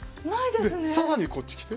で更にこっち来て。